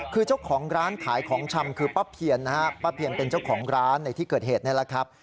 คือเจ้าของร้านขายของชำคือป้าเพียนนะฮะป้าเพียนเป็นเจ้าของร้านในที่เกิดเหตุนี่แหละครับ